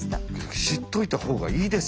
知っといたほうがいいですよね。